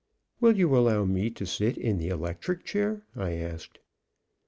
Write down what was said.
"Will you allow me to sit in the electric chair?" I asked.